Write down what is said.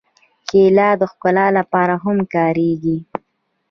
کېله د ښکلا لپاره هم کارېږي.